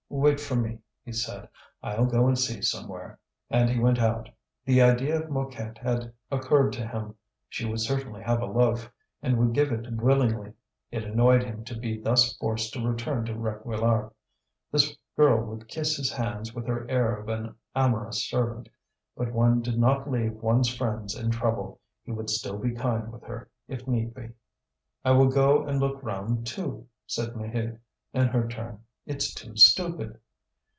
"Wait for me," he said. "I'll go and see somewhere." And he went out. The idea of Mouquette had occurred to him. She would certainly have a loaf, and would give it willingly. It annoyed him to be thus forced to return to Réquillart; this girl would kiss his hands with her air of an amorous servant; but one did not leave one's friends in trouble; he would still be kind with her if need be. "I will go and look round, too," said Maheude, in her turn. "It's too stupid."